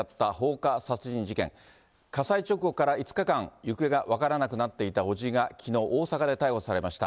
火災直後から５日間、行方が分からなくなっていた伯父が、きのう、大阪で逮捕されました。